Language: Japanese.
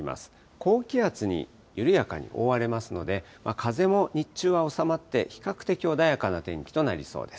高気圧に緩やかに覆われますので、風も日中は収まって、比較的穏やかな天気となりそうです。